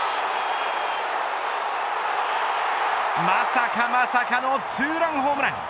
まさかまさかのツーランホームラン。